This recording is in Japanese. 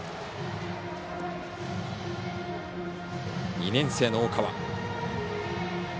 ２年生の大川。